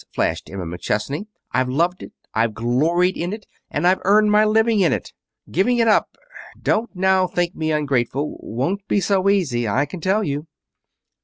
flashed Emma McChesney. "I've loved it. I've gloried in it. And I've earned my living by it. Giving it up don't now think me ungrateful won't be so easy, I can tell you."